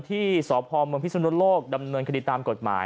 ที่สพเมืองพิสุนโลกดำเนินคดีตามกฎหมาย